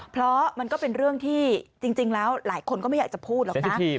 เพราะมันก็เป็นเรื่องที่จริงแล้วหลายคนก็ไม่อยากจะพูดหรอกนะ